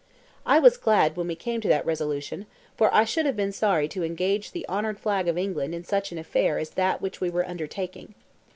I was glad when we came to that resolution, for I should have been sorry to engage the honoured flag of England in such an affair as that which we were undertaking.